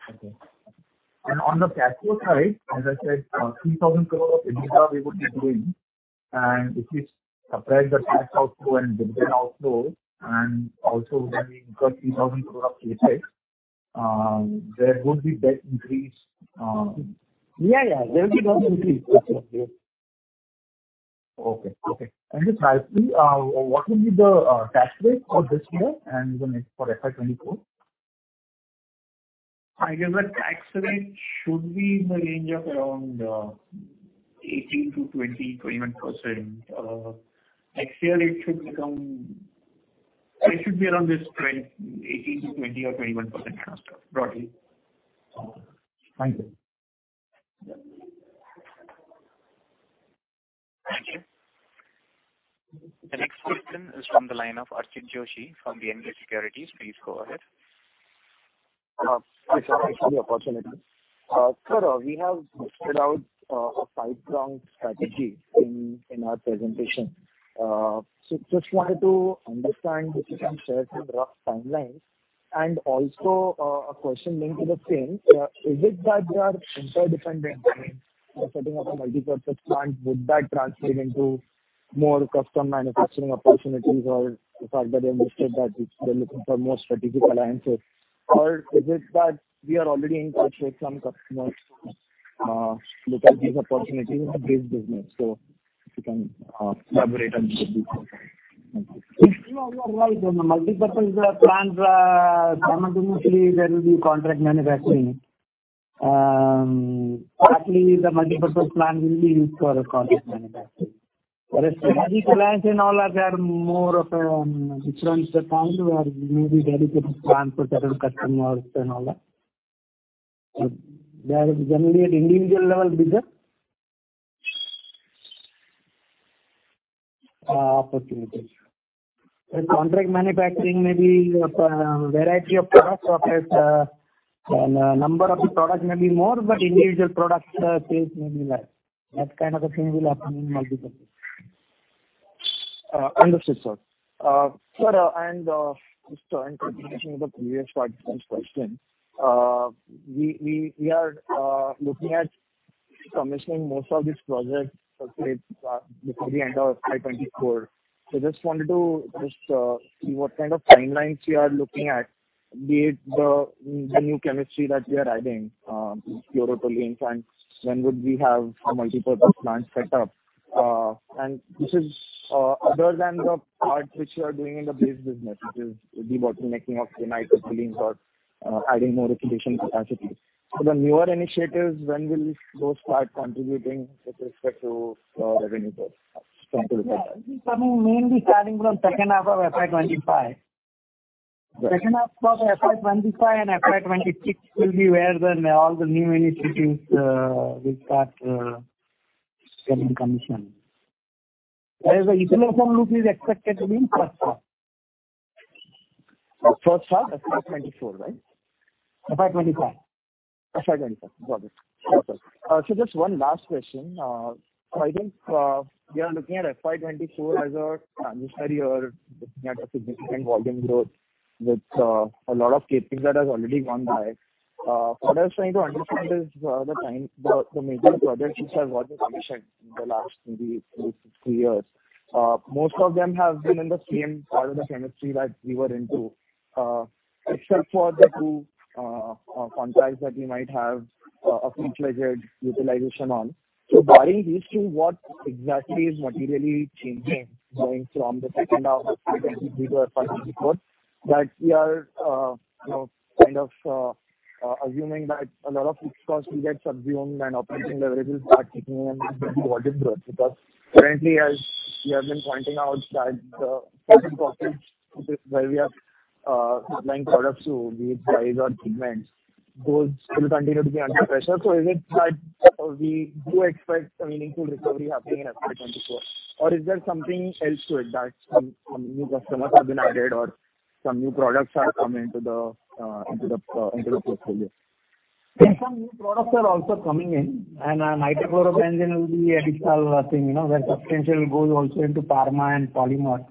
Okay. On the cash flow side, as I said, 3,000 crore of EBITDA we would be doing. If we subtract the cash outflow and dividend outflow, and also when we incur 3,000 crore of CapEx, there would be debt increase. Yeah. There will be debt increase. Yes. Okay. Just lastly, what will be the tax rate for this year and the next for FY 2024? I guess the tax rate should be in the range of around 18%-21%. Next year it should be around 18%-20% or 21% roughly. Okay. Thank you. Thank you. The next question is from the line of Archit Joshi from B&K Securities. Please go ahead. Thanks for the opportunity. Sir, we have laid out a five-prong strategy in our presentation. Just wanted to understand if you can share some rough timelines. Also, a question linked to the same. Is it that they are interdependent? I mean, the setting up a multipurpose plant, would that translate into more custom manufacturing opportunities or the fact that they mentioned that they're looking for more strategic alliances? Or is it that we are already in touch with some customers, look at these opportunities in the base business? If you can elaborate a little bit. You are right. On the multipurpose plants, simultaneously there will be contract manufacturing. Actually the multipurpose plant will be used for contract manufacturing. For a strategic alliance and all that, they are more of a different kind where maybe dedicated plants with several customers and all that. They are generally at individual level business. Opportunities. The contract manufacturing may be a variety of products. It's the number of the products may be more, but individual product sales may be less. That kind of a thing will happen in multipurpose. Understood, sir. Just an interpretation of the previous participant's question, we are looking at commissioning most of these projects, let's say, before the end of FY 2024. Just wanted to see what kind of timelines we are looking at, be it the new chemistry that we are adding, chlorotoluene plant. When would we have a multipurpose plant set up? This is other than the part which you are doing in the base business, which is the bottlenecking of the nitroarenes or adding more utilization capacity. The newer initiatives, when will those start contributing with respect to revenue growth from-- Yeah. It will be coming mainly starting from second half of FY 2025. Right. Second half of FY 2025 and FY 2026 will be where all the new initiatives will start getting commissioned. Whereas the nitration loop is expected to be in first half. First half FY 2024, right? FY 2025. FY 2025. Got it. Just one last question. I think we are looking at FY 2024 as a transition year, looking at a significant volume growth with a lot of CapEx that has already gone by. What I was trying to understand is the major projects which have got commissioned in the last maybe two-three years, most of them have been in the same part of the chemistry that we were into, except for the two contracts that we might have a few stretched utilization on. Barring these two, what exactly is materially changing going from the second half of FY 2023 to FY 2024? That we are, you know, kind of, assuming that a lot of fixed cost will get subsumed and operating leverage will start kicking in with the volume growth. Because currently, as you have been pointing out, that where we are supplying products to, be it dyes or pigments, those will continue to be under pressure. Is it that we do expect a meaningful recovery happening in FY 2024 or is there something else to it that some new customers have been added or some new products are coming to the into the portfolio? Some new products are also coming in and nitrophenol will be an additional thing, you know, where substantial goes also into pharma and polymers,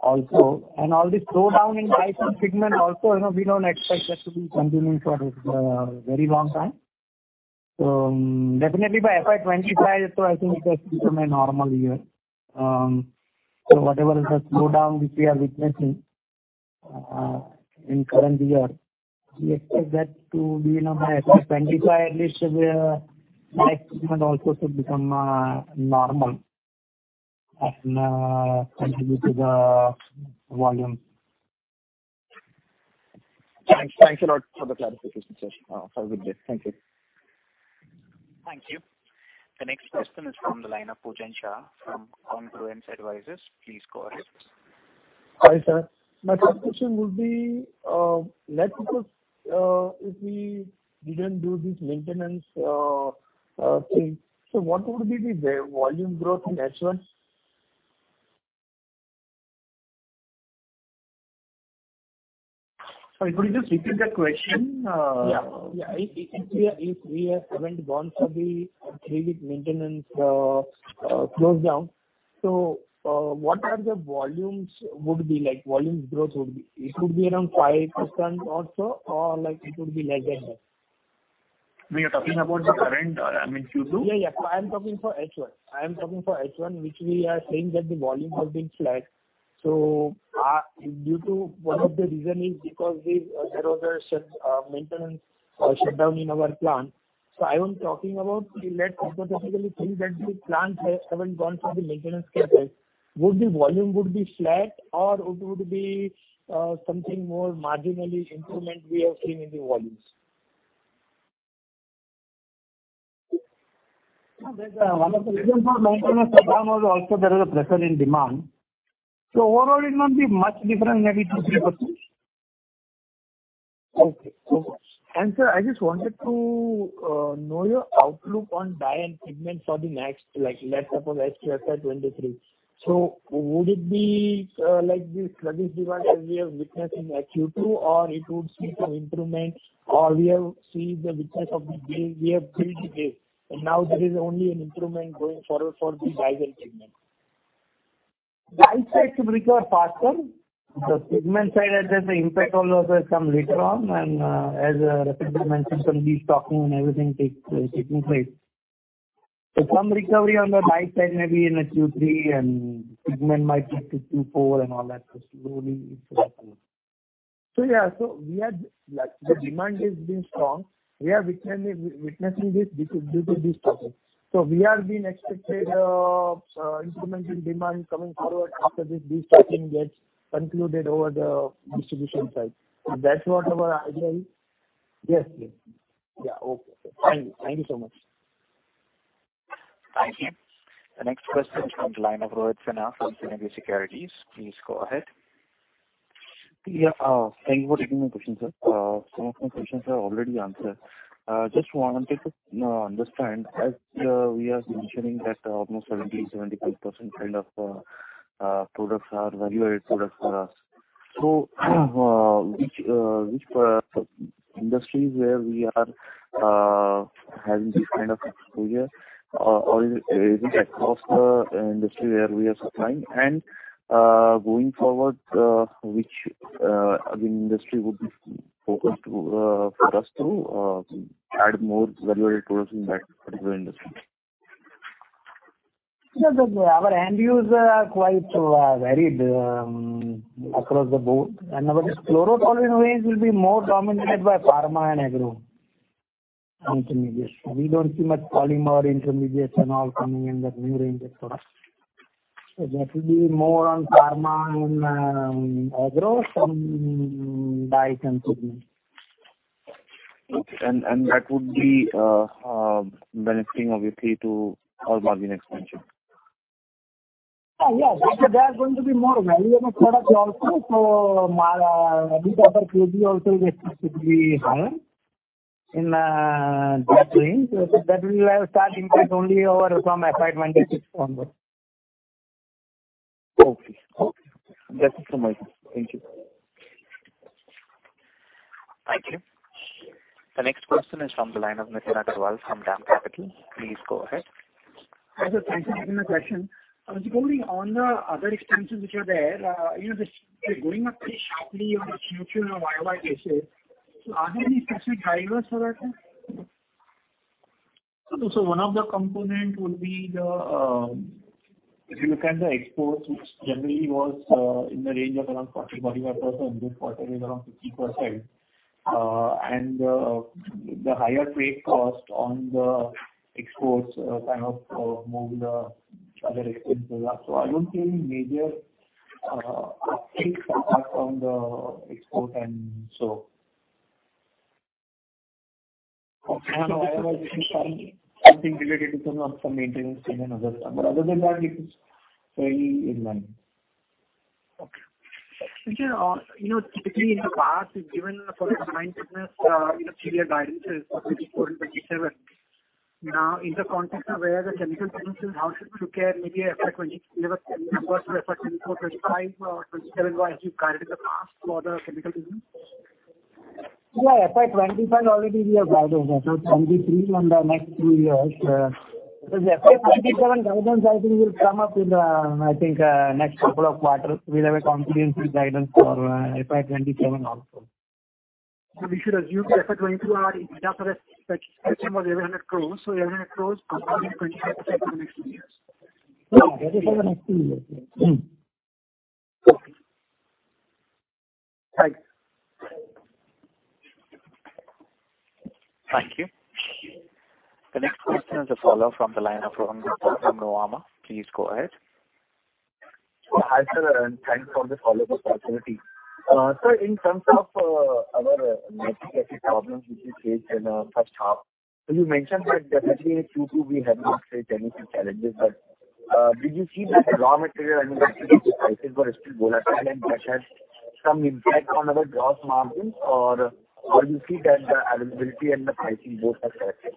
also. All this slowdown in dyes and pigment also, you know, we don't expect that to be continuing for very long time. Definitely by FY 2025, I think it has become a normal year. Whatever is the slowdown which we are witnessing in current year, we expect that to be, you know, by FY 2025, at least where next year also should become normal and contribute to the volume. Thanks. Thanks a lot for the clarification, sir. Have a good day. Thank you. Thank you. The next question is from the line of Pujan Shah from Confluence Advisors. Please go ahead. Hi, sir. My first question would be, let's suppose, if we didn't do this maintenance thing, so what would be the volume growth in H1? Sorry, could you just repeat the question? If we haven't gone for the three-week maintenance shutdown, so what would the volumes be like? Volume growth would be around 5% or so or like it would be less than that. We are talking about the current, I mean, Q2? Yeah. I am talking for H1, which we are saying that the volume has been flat. Due to one of the reason is because there was a maintenance shutdown in our plant. I am talking about if let's hypothetically think that the plant hasn't gone for the maintenance cadence, would the volume be flat or it would be something more marginally improvement we have seen in the volumes? One of the reason for maintenance shutdown was also there was a pressure in demand. Overall it won't be much different, maybe 2%-3%. Sir, I just wanted to know your outlook on dye and pigment for the next, like let's suppose FY 2023. Would it be like the sluggish demand as we have witnessed in Q2 or it would see some improvement or we have seen the weakness of the year-to-date, and now there is only an improvement going forward for the dyes and pigment. Dye side should recover faster. The pigment side has had the impact also has come later on and, as, [Rashesh] sir mentioned, some destocking and everything taking place. Some recovery on the dye side maybe in Q3 and pigment might take to Q4 and all that. Slowly it will happen. Yeah, we are like the demand is being strong. We are witnessing this due to destocking. We are expecting improvement in demand coming forward after this destocking gets concluded over the distribution side. That's what our idea is? Yes. Yes. Yeah. Okay. Thank you. Thank you so much. Thank you. The next question is from the line of Rohit Sinha from Sunidhi Securities. Please go ahead. Yeah. Thank you for taking my question, sir. Some of my questions are already answered. Just wanted to understand as we are mentioning that almost 70%, 75% kind of products are value-added products for us. Which industries where we are having this kind of exposure, or is it across the industry where we are supplying? Going forward, which industry would be focused to for us to add more value-added products in that particular industry? Our end users are quite varied across the board. Our chlorotoluene base will be more dominated by pharma and agro intermediates. We don't see much polymer intermediates and all coming in that new range of products. That will be more on pharma and agro from dyes and pigments. That would be benefiting, obviously, to our margin expansion. There are going to be more value-added products also. Recovery also expected to be high in that range. That will have substantial impact only starting from FY 2026 onwards. Okay. Okay. That's it from my side. Thank you. Thank you. The next question is from the line of Nitin Agarwal from DAM Capital. Please go ahead. Hi, sir. Thank you for taking the question. Just going on the other expenses which are there, you know, they're going up pretty sharply on a Q2 and a Y-o-Y basis. Are there any specific drivers for that, sir? One of the components would be the, if you look at the exports, which generally was in the range of around 40%-45%, this quarter is around 50%. The higher trade cost on the exports kind of moved the other expenses up. I don't see any major fix apart from the export and so. Okay. Something related to some of the maintenance and other stuff. Other than that, it is fairly in line. Okay. You know, typically in the past, you've given for the combined business, you know, previous guidances of 34% and 37%. Now, in the context of where the chemical business is, how should we think about the numbers for FY 2024, 2025 or 2027 as you've guided in the past for the chemical business? Yeah. FY 2025 already we have guided, that's 2023 on the next two years. Because FY 2027 guidance I think will come up in the, I think, next couple of quarters. We'll have a confidence in guidance for FY 2027 also. We should assume FY 2024 EBITDA for that segment was INR 800 crores. INR 800 crores compounded 28% for the next two years. No, that is for the next two years. Okay. Thanks. Thank you. The next question is a follow-up from the line of Rohan Gupta from Nuvama. Please go ahead. Hi, sir, and thanks for the follow-up opportunity. Sir, in terms of, our nitric acid problems which we faced in, first half, so you mentioned that definitely in Q2 we have not faced any challenges. Did you see that the raw material and the nitric acid prices were still volatile and that has some impact on our gross margins? Or do you see that the availability and the pricing both are better?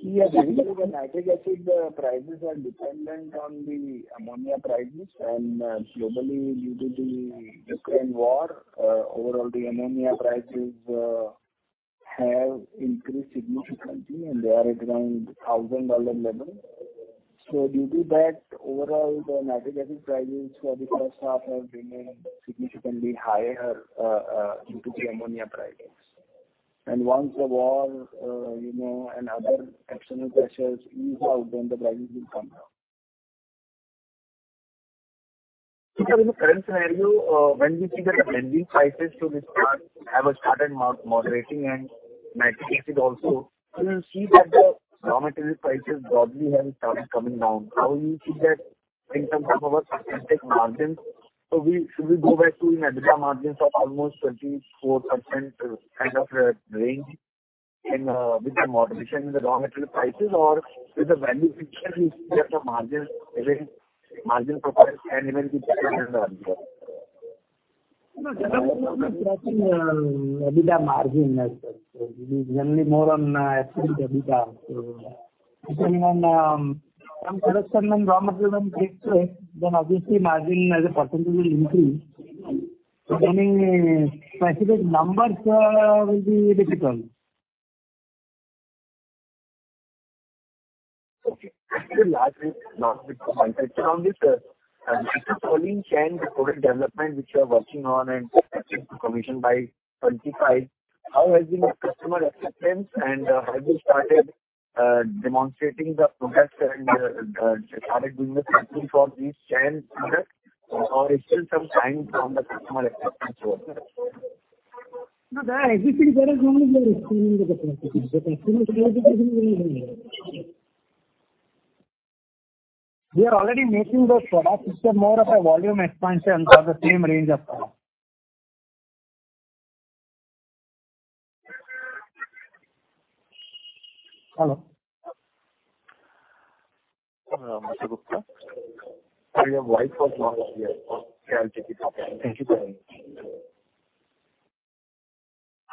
Yeah. Generally, the nitric acid prices are dependent on the ammonia prices. Globally, due to the Ukraine war, overall the ammonia prices have increased significantly, and they are around $1,000 level. Due to that, overall the nitric acid prices for the first half have remained significantly higher due to the ammonia prices. Once the war, you know, and other external pressures ease out, then the prices will come down. Sir, in the current scenario, when we see that the blending prices to this plant have started moderating and nitric acid also, do you see that the raw material prices broadly have started coming down? How do you see that in terms of our synthetic margins? We should go back to an EBITDA margin of almost 24% kind of range with the moderation in the raw material prices? Or with the value addition, we see that the margins remain margin profile can remain which is under. No. Generally speaking, it's an EBITDA margin, sir. Generally more on EBITDA. Depending on from production and raw material and mix, then obviously margin as a percentage will increase. Giving specific numbers will be difficult. Okay. Last bit to follow up on this, nitric acid chain product development which you are working on and expecting to commission by 2025, how has been the customer acceptance? Have you started demonstrating the products and started doing the sampling for these chain products? Or is there still some time from the customer acceptance perspective? No. The existing product only we are expanding the capacity. The customer qualification is ongoing. We are already making those products. It's more of a volume expansion for the same range of products. Hello. Mr. Gupta, your voice was not clear. Can I take it up? Thank you very much.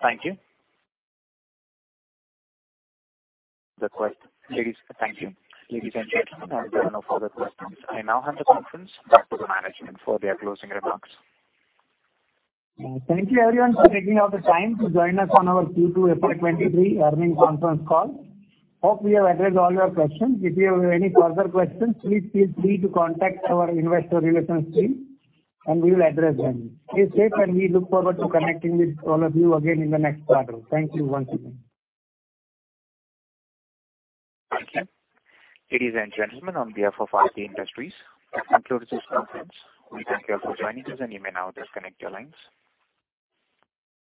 Thank you. Ladies and gentlemen, there are no further questions. I now hand the conference back to the management for their closing remarks. Thank you everyone for taking out the time to join us on our Q2 FY 2023 earnings conference call. Hope we have addressed all your questions. If you have any further questions, please feel free to contact our investor relations team and we will address them. Stay safe, and we look forward to connecting with all of you again in the next quarter. Thank you once again. Thank you. Ladies and gentlemen, on behalf of Aarti Industries, I conclude this conference. We thank you all for joining us, and you may now disconnect your lines.